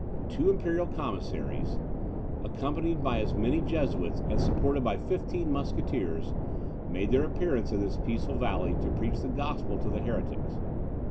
Two imperial commissaries, accompanied by as many Jesuits, and supported by fifteen musketeers, made their appearance in this peaceful valley to preach the gospel to the heretics.